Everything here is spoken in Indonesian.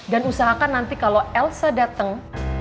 dan usahakan nanti kalau elsa dateng